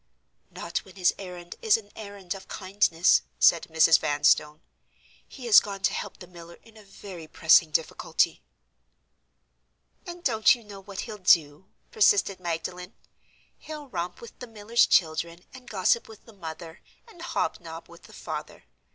"Not when his errand is an errand of kindness," said Mrs. Vanstone. "He has gone to help the miller in a very pressing difficulty—" "And don't you know what he'll do?" persisted Magdalen. "He'll romp with the miller's children, and gossip with the mother, and hob and nob with the father.